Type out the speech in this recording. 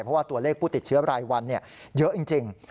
เพราะว่าตัวเลขผู้ติดเชื้อรายวันเยอะจริง